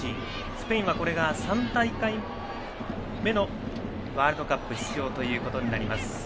スペインはこれが３大会目のワールドカップ出場となります。